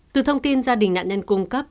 từ thông tin gia đình nạn nhân cung cấp